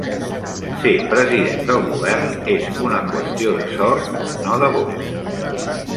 Ser president del Govern és una qüestió de sort no de vots.